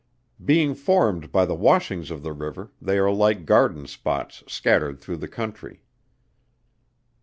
Being formed by the washings of the river, they are like garden spots scattered through the country.